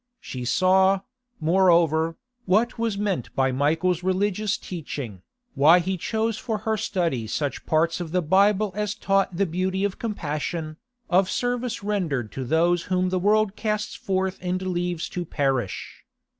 She saw, moreover, what was meant by Michael's religious teaching, why he chose for her study such parts of the Bible as taught the beauty of compassion, of service rendered to those whom the world casts forth and leaves to perish.